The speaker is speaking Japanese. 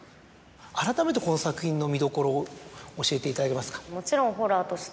あらためてこの作品の見どころを教えていただけますか？